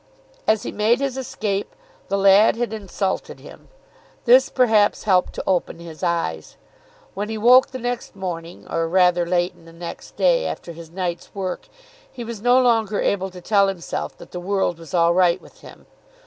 As he made his escape the lad had insulted him. This, perhaps, helped to open his eyes. When he woke the next morning, or rather late in the next day, after his night's work, he was no longer able to tell himself that the world was all right with him.